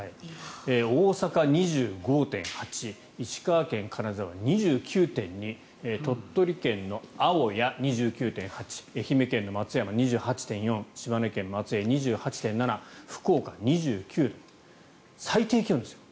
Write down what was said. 大阪、２５．８度石川県金沢、２９．２度鳥取県の青谷、２９．８度愛媛県の松山、２８．４度島根県松江、２８．７度福岡県、２９度最低気温ですよ。